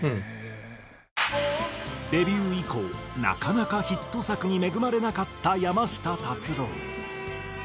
デビュー以降なかなかヒット作に恵まれなかった山下達郎。